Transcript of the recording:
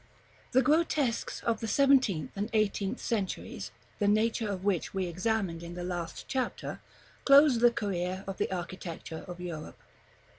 The grotesques of the seventeenth and eighteenth centuries, the nature of which we examined in the last chapter, close the career of the architecture of Europe.